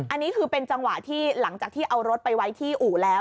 อันนี้คือเป็นจังหวะที่หลังจากที่เอารถไปไว้ที่อู่แล้ว